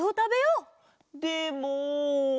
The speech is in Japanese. でも。